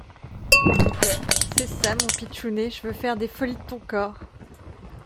C’est ça mon Pitchounet, je veux faire des folies de ton corps…